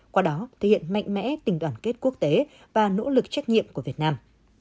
qua đó thể hiện mạnh mẽ tình đoàn kết quốc tế và nỗ lực trách nhiệm của việt nam